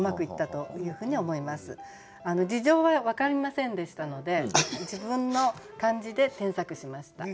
事情は分かりませんでしたので自分の感じで添削しました。